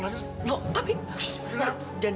udah udah kita keluar dulu